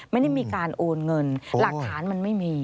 ไม่ได้มีการโอนเงินหลักฐานมันไม่มี